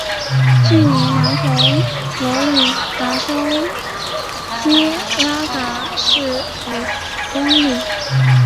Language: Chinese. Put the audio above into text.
距离南佛罗里达州基拉戈市五公里。